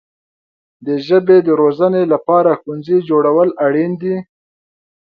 د ژبې د روزنې لپاره ښوونځي جوړول اړین دي.